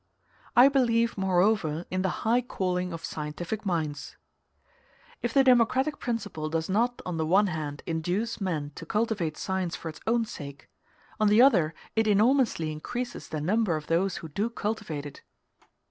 I believe, moreover, in the high calling of scientific minds. If the democratic principle does not, on the one hand, induce men to cultivate science for its own sake, on the other it enormously increases the number of those who do cultivate it.